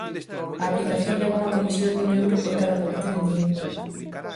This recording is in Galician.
A aplicación leva unha comisión dun euro por cada paquete vendido.